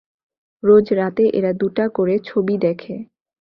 রোজ রাতে এরা দুটা করে ছবি দেখে।